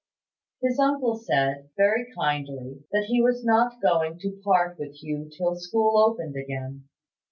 His uncle said, very kindly, that he was not going to part with Hugh till school opened again.